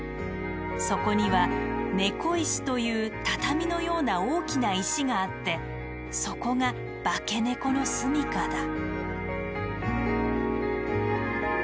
そこには猫石という畳のような大きな石があってそこが化け猫の住みかだ」。